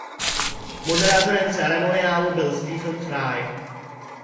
Moderátorem ceremoniálu byl Stephen Fry.